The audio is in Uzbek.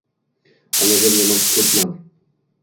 Onajon yomon tush ko‘ribman